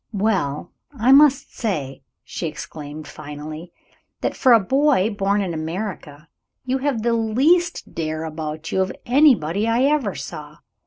"Well, I must say," she exclaimed, finally, "that, for a boy born in America, you have the least dare about you of anybody I ever saw.